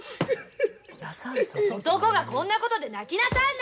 男がこんなことで泣きなさんな！